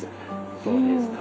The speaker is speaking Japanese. そうですか。